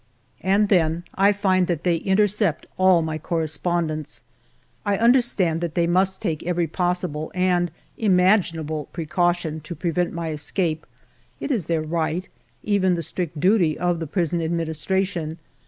And then, I find that they intercept all my cor respondence. I understand that they must take every possible and imaginable precaution to pre vent my escape ; it is the right, even the strict duty, of the prison administration.